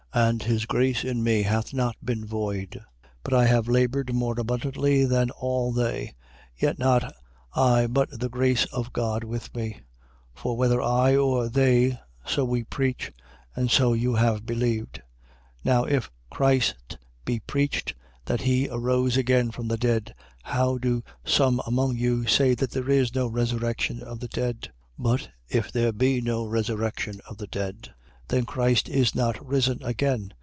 And his grace in me hath not been void: but I have laboured more abundantly than all they. Yet not I, but the grace of God with me: 15:11. For whether I or they, so we preach: and so you have believed. 15:12. Now if Christ be preached, that he arose again from the dead, how do some among you say that there is no resurrection of the dead? 15:13. But if there be no resurrection of the dead, then Christ is not risen again.